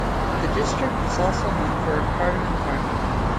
The district is also known for cardamom farming.